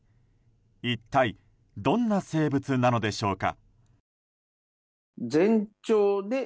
一体どんな生物なのでしょうか。